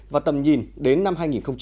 và tầm nhìn đến năm hai nghìn năm mươi